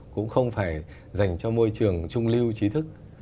cũng không phải dành cho môi trường trung lưu trí thức